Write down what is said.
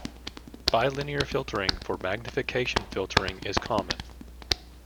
Bilinear filtering for magnification filtering is common.